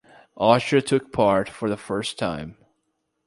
Austria took part for the first time.